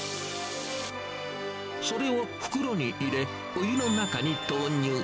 それを袋に入れ、お湯の中に投入。